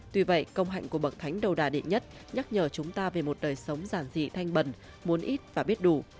tuy vậy công hạnh của bậc thánh đầu đà đệ nhất nhắc nhở chúng ta về một đời sống giản dị thanh bần muốn ít và biết đủ